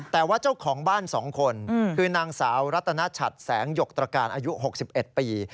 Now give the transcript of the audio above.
แต่ว่าเจ้าของบ้าน๒คนคือนางสาวรัตนชัดแสงหยกตรการอายุ๖๑ปี